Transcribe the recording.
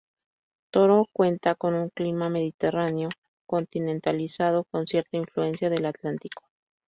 Toro cuenta con un clima mediterráneo continentalizado con cierta influencia del Atlántico.